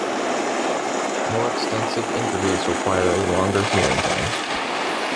More extensive injuries require a longer healing time.